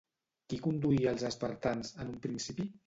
Qui conduïa els espartans, en un principi?